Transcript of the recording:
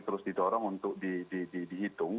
terus didorong untuk dihitung